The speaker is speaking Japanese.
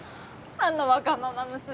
あのわがまま娘！